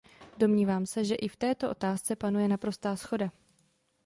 Domnívám se, že i v této otázce panuje naprostá shoda.